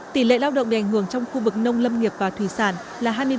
tỷ lệ lao động bị ảnh hưởng trong khu vực nông lâm nghiệp và thủy sản là hai mươi bảy